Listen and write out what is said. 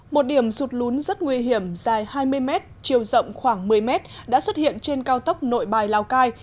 một điểm sụt lún rất nguy hiểm dài hai mươi m chiều rộng khoảng một mươi mét đã xuất hiện trên cao tốc nội bài lào cai